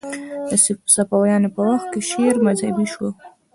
د صفویانو په وخت کې شعر مذهبي شو